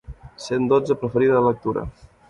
Cent dotze preferida de lectura.